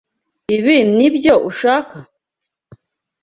Ibi nibyo ushaka?